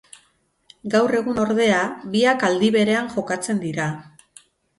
Gaur egun ordea, biak aldi berean jokatzen dira.